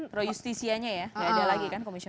projustisianya ya tidak ada lagi kan komisioner